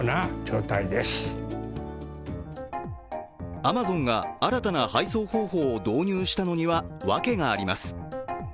アマゾンが新たな配送方法を導入したのには訳があります。